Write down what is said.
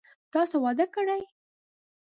تاسو واده کړئ ؟